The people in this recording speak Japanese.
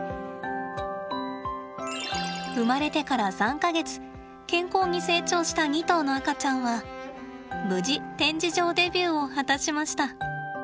生まれてから３か月健康に成長した２頭の赤ちゃんは無事展示場デビューを果たしました。